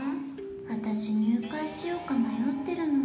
私入会しようか迷ってるの。